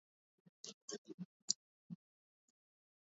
Dbeibah amekataa kumkabidhi madaraka